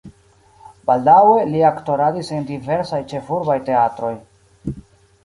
Baldaŭe li aktoradis en diversaj ĉefurbaj teatroj.